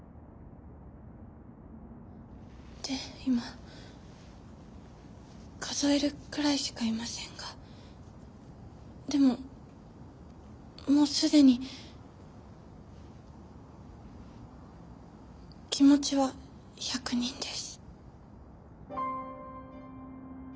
で今数えるくらいしかいませんがでももう既に気持ちは１００人です。